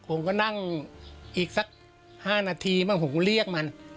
ผมก็นั่งอีกสัก๕นาทีบ้างผมก็เรียกมัน